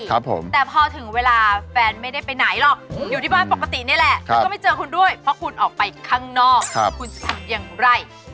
แต่พอถึงเวลาแฟนไม่ได้ไปไหนหรอกอยู่ที่บ้านปกตินี่แหละแล้วก็ไม่เจอคุณด้วยเพราะคุณออกไปข้างนอกคุณจะทำอย่างไร